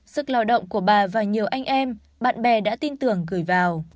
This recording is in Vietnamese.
sức lao động của bà và nhiều anh em bạn bè đã tin tưởng gửi vào